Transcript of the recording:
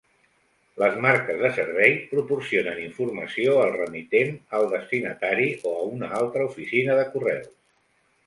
Les marques de servei proporcionen informació al remitent, al destinatari o a una altra oficina de correus.